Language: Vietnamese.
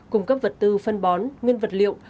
cung cấp vật tư phân bón nguyên vật liệu